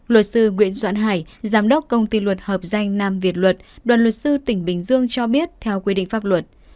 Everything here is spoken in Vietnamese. luật sư nguyễn doãn hải giám đốc công ty luật hợp danh nam việt luật đoàn luật sư tỉnh bình dương cho biết theo quy định pháp luật